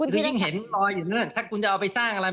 คือยิ่งเห็นรอยอยู่นั่นถ้าคุณจะเอาไปสร้างอะไร